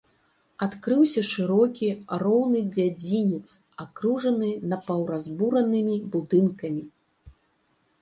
Адкрыўся шырокі, роўны дзядзінец, акружаны напаўразбуранымі будынкамі.